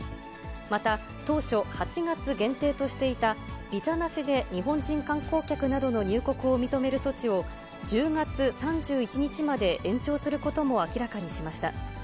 また、当初、８月限定としていたビザなしで日本人観光客などの入国を認める措置を、１０月３１日まで延長することも明らかにしました。